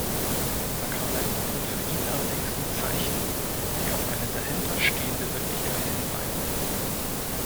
Sakramente sind für ihn allerdings nur Zeichen, die auf eine dahinter stehende Wirklichkeit hinweisen.